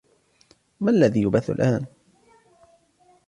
ما الذي يُبَثُّ الآن ؟